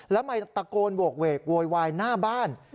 และใบนี้หลับตะโกนบวกเวกโวยวายหน้าบ้าน